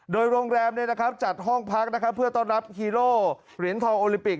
โดยโรงแรมจัดห้องพักเพื่อต้อนรับฮีโร่เหรียญทองโอลิปิก